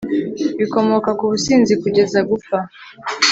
Bikomoka ku businzi kugeza gupfa